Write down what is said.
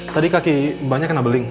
tadi kaki mbahnya kena beling